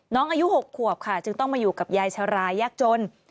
อายุ๖ขวบค่ะจึงต้องมาอยู่กับยายชรายยากจน